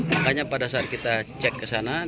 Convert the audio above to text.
makanya pada saat kita cek ke sana